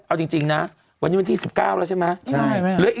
เอาจริงนะวันนี้วันที่๑๙แล้วใช่ไหม